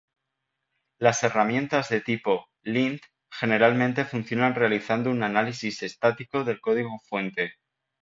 Las herramientas de tipo "lint" generalmente funcionan realizando un análisis estático del código fuente.